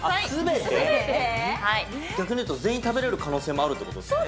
逆に言うと、全員食べれる可能性もあるということですよね。